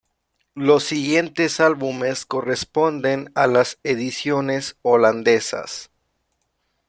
Los siguiente álbumes corresponden a las ediciones holandesas.